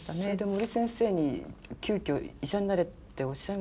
それで森先生に急きょ医者になれっておっしゃいませんでしたか？